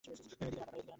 এদিকে, রান্নাঘরে।